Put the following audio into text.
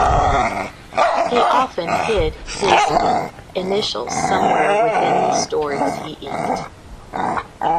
He often hid his initials somewhere within the stories he inked.